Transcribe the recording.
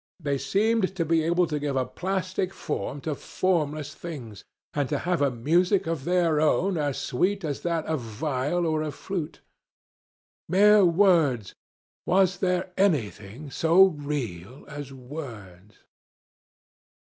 They seemed to be able to give a plastic form to formless things, and to have a music of their own as sweet as that of viol or of lute. Mere words! Was there anything so real as words?